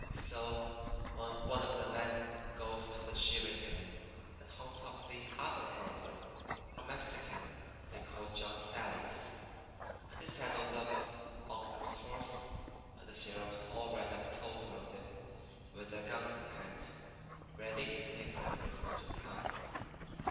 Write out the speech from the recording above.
"So one of the men goes to the shearing pen and hunts up the other herder, a Mexican they call John Sallies, and he saddles Ogden's horse, and the sheriffs all ride up close around him with their guns in hand, ready to take their prisoner to town.